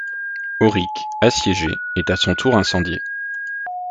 Aurich, assiégée, est à son tour incendiée.